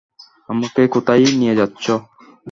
আমাকে কোথায় নিয়ে যাচ্ছ?